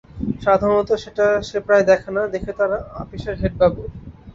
সাধারণত সেটা সে প্রায় দেখে না, দেখে তার আপিসের হেডবাবু।